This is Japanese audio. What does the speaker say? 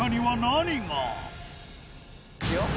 いくよ。